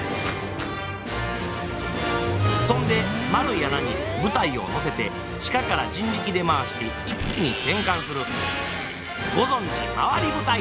そんで円い穴に舞台を載せて地下から人力で回して一気に転換するご存じ回り舞台！